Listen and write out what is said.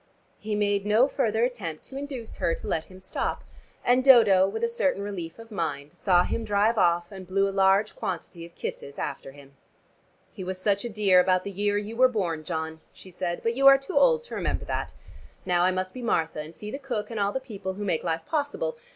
He made no further attempt to induce her to let him stop, and Dodo, with a certain relief of mind, saw him drive off and blew a large quantity of kisses after him. "He was such a dear about the year you were born, John," she said, "but you are too old to remember that. Now I must be Martha, and see the cook and all the people who make life possible.